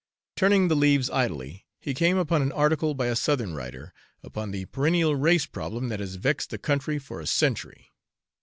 Turning the leaves idly, he came upon an article by a Southern writer, upon the perennial race problem that has vexed the country for a century.